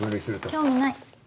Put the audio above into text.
興味ない。